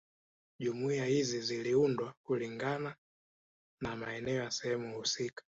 Jumuiya hizi ziliundwa kulingana na maeneo ya sehemu husika